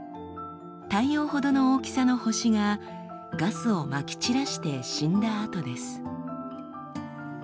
太陽ほどの大きさの星がガスをまき散らして死んだ跡です。